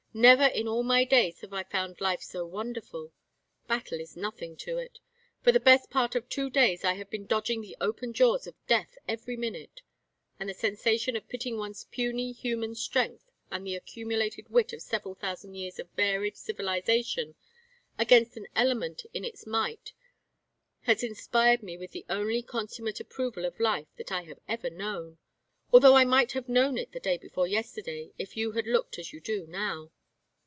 "Never in all my days have I found life so wonderful. Battle is nothing to it. For the best part of two days I have been dodging the open jaws of death every minute; and the sensation of pitting one's puny human strength and the accumulated wit of several thousand years of varied civilization against an element in its might has inspired me with the only consummate approval of life that I have ever known although I might have known it the day before yesterday if you had looked as you do now."